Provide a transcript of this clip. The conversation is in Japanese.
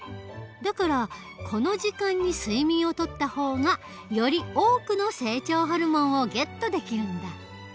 だからこの時間に睡眠をとった方がより多くの成長ホルモンをゲットできるんだ。